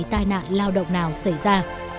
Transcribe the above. tai nạn lao động nào xảy ra